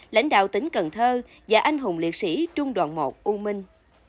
lãnh đạo tỉnh cần thơ và anh hùng liệt sĩ trung đoàn một u minh